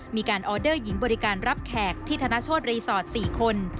มีการออเดอร์หญิงบริการรับแขกที่ธนโชธรีสอร์ท๔คน